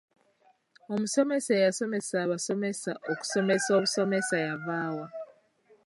Omusomesa eyasomesa abasomesa okusomesa obusomesa yavaawa?